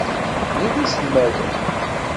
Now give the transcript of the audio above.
Nekni d iselmaden.